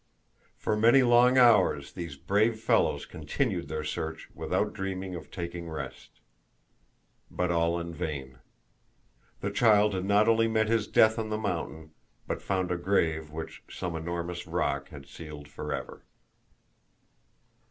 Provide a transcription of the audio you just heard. For many long hours these brave fellows continued their search without dreaming of taking rest. But all in vain. The child had not only met his death on the mountain, but found a grave which some enormous rock had sealed forever.